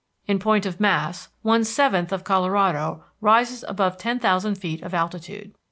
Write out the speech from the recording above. In point of mass, one seventh of Colorado rises above ten thousand feet of altitude.